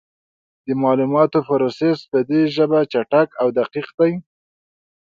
د معلوماتو پروسس په دې ژبه چټک او دقیق دی.